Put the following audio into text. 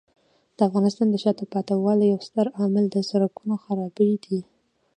د افغانستان د شاته پاتې والي یو ستر عامل د سړکونو خرابۍ دی.